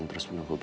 tetapi aku re